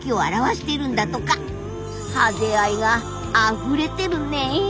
ハゼ愛があふれてるね！